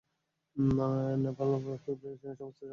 Nodal ফিব্রিলিয়াশনের অবস্থা সংকটাপন্ন!